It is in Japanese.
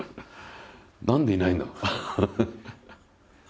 何でいないんだろう？